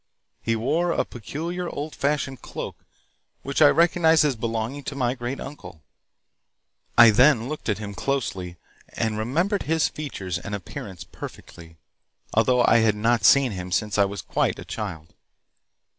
He wore a peculiar, old fashioned cloak which I recognized as belonging to my great uncle. I then looked at him closely and remembered his features and appearance perfectly, although I had not seen him since I was quite a child.